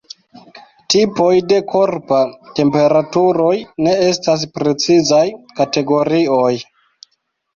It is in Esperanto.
Tipoj de korpa temperaturoj ne estas precizaj kategorioj.